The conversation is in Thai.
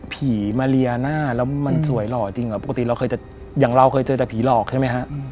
ผีมาเรียหน้าแล้วมันสวยหล่อจริงเหรอปกติเราเคยจะอย่างเราเคยเจอแต่ผีหลอกใช่ไหมฮะ